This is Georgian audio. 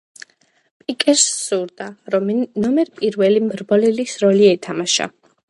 პიკეს სურდა, რომ ნომერ პირველი მრბოლელის როლი ეთამაშა.